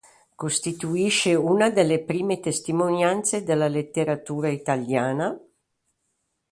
Costituisce una delle prime testimonianze della letteratura italiana.